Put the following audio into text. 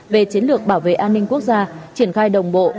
về chiến lược bảo vệ an ninh quốc gia triển khai đồng bộ